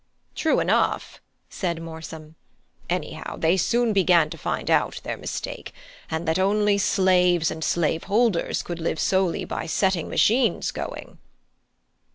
"True enough," said Morsom. "Anyhow, they soon began to find out their mistake, and that only slaves and slave holders could live solely by setting machines going."